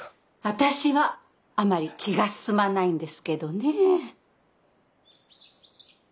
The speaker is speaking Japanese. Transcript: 私はあまり気が進まないんですけどね。